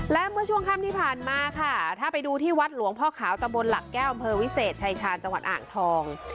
และเมื่อช่วงค่ำที่ผ่านมาค่ะถ้าไปดูที่วัดหลวงพ่อขาวตะบนหลักแก้วอำเภอวิเศษชายชาญจังหวัดอ่างทอง